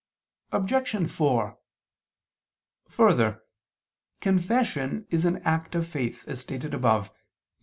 Obj. 4: Further, confession is an act of faith, as stated above (Q.